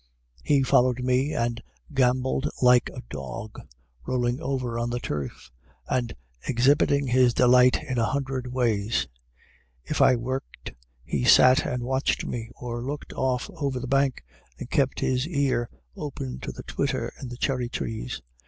He followed me and gamboled like a dog, rolling over on the turf and exhibiting his delight in a hundred ways. If I worked, he sat and watched me, or looked off over the bank, and kept his ear open to the twitter in the cherry trees.